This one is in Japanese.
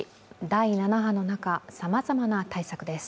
第７波の中、さまざまな対策です。